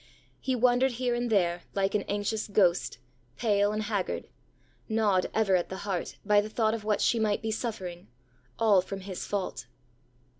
He wandered here and there, like an anxious ghost, pale and haggard; gnawed ever at the heart, by the thought of what she might be sufferingãall from his fault.